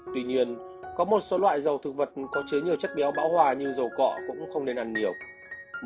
tuy nhiên có một số loại dầu thực vật có chứa nhiều chất béo bão hòa như dầu cọ cũng không nên ăn nhiều